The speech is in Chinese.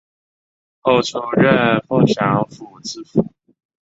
后出任凤翔府知府。